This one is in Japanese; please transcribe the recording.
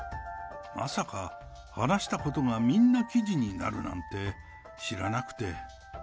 まさか話したことがみんな記事になるなんて知らなくて。